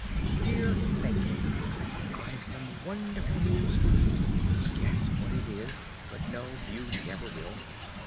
] I Dear Thankyou, I've some wonderful news for you! Guess what it is; but no, you never will.